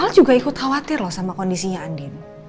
al juga ikut khawatir loh sama kondisinya andien